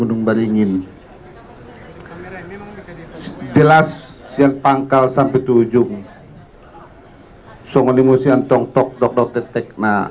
menumbar ingin jelas siang pangkal sampai tujung songoni musyantong tok dokter tekna